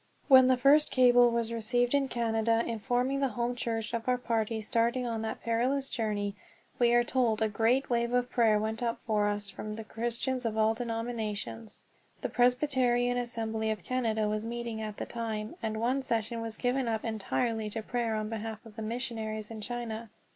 When the first cable was received in Canada informing the home church of our party starting on that perilous journey, we are told a great wave of prayer went up for us from Christians of all denominations. The Presbyterian Assembly of Canada was meeting at the time, and one session was given up entirely to prayer on behalf of the missionaries in China.